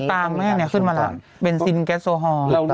๖๐สตาร์แม่นี่ขึ้นมาแล้วเบนซินแก๊สโซฮอล